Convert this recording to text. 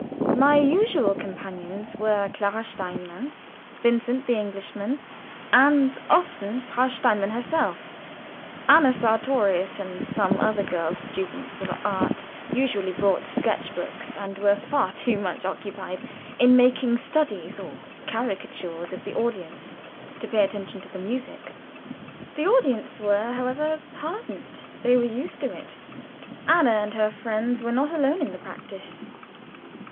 My usual companions were Clara Steinmann, Vincent, the Englishman, and often Frau Steinmann herself. Anna Sartorius and some other girl students of art usually brought sketch books, and were far too much occupied in making studies or caricatures of the audience to pay much attention to the music. The audience were, however, hardened; they were used to it. Anna and her friends were not alone in the practice.